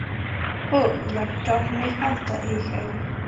هو، لیپټاپ مې هلته ایښی.